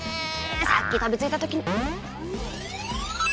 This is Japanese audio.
さっき飛び付いた時に。